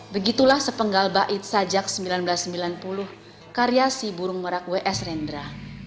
begitulah sepenggal bait sajak seribu sembilan ratus sembilan puluh karya si burung merak ws rendra